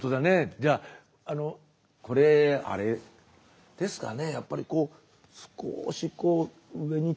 じゃああのこれあれですかね